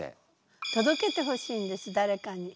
届けてほしいんですだれかに。